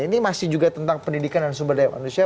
ini masih juga tentang pendidikan dan sumber daya manusia